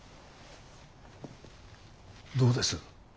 どうです？